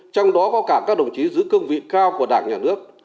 trong đó có cả các đồng chí giữ cương vị cao của đảng nhà nước